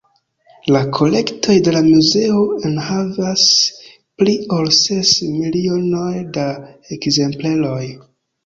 La kolektoj de la Muzeo enhavas pli ol ses milionoj da ekzempleroj.